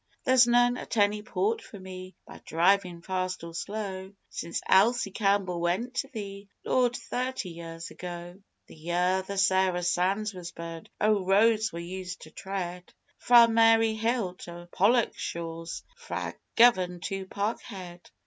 There's none at any port for me, by drivin' fast or slow, Since Elsie Campbell went to Thee, Lord, thirty years ago. (The year the Sarah Sands was burned. Oh roads we used to tread, Fra' Maryhill to Pollokshaws fra' Govan to Parkhead!)